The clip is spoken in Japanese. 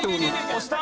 押した！